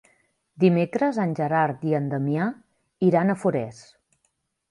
Dimecres en Gerard i en Damià iran a Forès.